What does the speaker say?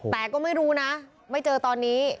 แต่ก็ไม่รู้นะไม่เจอตอนนี้